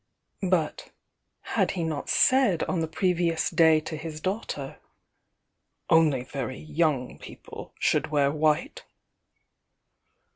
But — had he not said on the previous day to his daughter, "Only very young people diould wear white?"